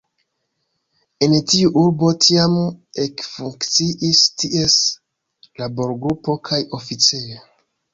En tiu urbo tiam ekfunkciis ties laborgrupo kaj oficejo.